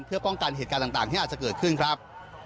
เพื่อป้องกันเหตุการณ์ต่างที่อาจจะเกิดขึ้นครับ